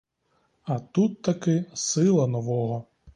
А тут-таки сила нового.